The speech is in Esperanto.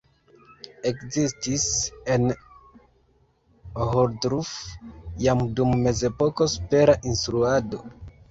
Ekzistis en Ohrdruf jam dum Mezepoko supera instruado.